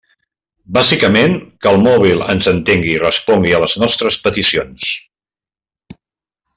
Bàsicament, que el mòbil ens entengui i respongui a les nostres peticions.